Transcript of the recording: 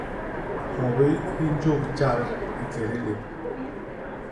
Hyobi hi njôp tjat i kédé lép.